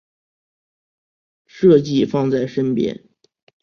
设计放在身边